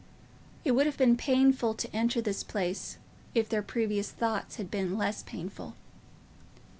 It would have been painful to enter this place if their previous thoughts had been less painful.